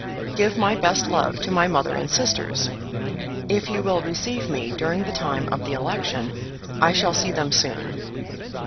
Give my best love to my mother and sisters. If you will receive me during the time of the election, I shall see them soon.